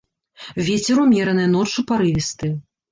Вецер ўмераны, ноччу парывісты.